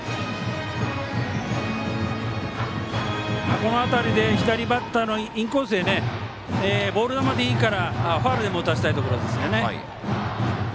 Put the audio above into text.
この辺りで左バッターのインコースでボール球でいいからファウルでも打たせたいところですよね。